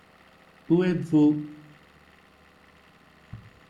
Où êtes-vous ?